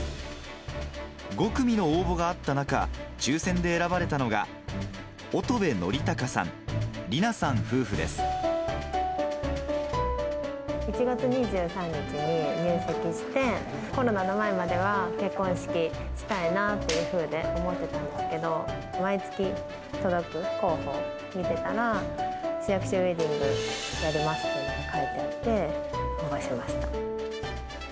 ５組の応募があった中、抽せんで選ばれたのが、１月２３日に入籍して、コロナの前までは結婚式したいなっていうふうに思ってたんですけど、毎月届く広報見てたら、市役所ウエディングやりますと書いてあって、応募しました。